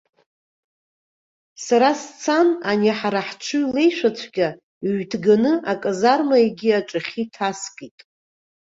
Сара сцан, ани ҳара ҳҽыҩ леишәацәгьа ҩҭганы аказарма егьи аҿахьы иҭаскит.